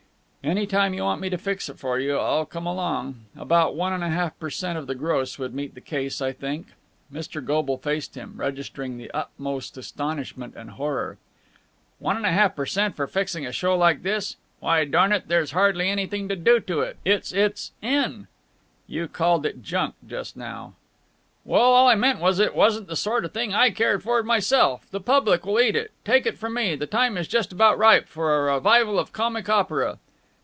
"Any time you want me to fix it for you, I'll come along. About one and a half per cent of the gross would meet the case, I think." Mr. Goble faced him, registering the utmost astonishment and horror. "One and a half per cent for fixing a show like this? Why, darn it, there's hardly anything to do to it! It's it's in!" "You called it junk just now." "Well, all I meant was that it wasn't the sort of thing I cared for myself. The public will eat it. Take it from me, the time is just about ripe for a revival of comic opera."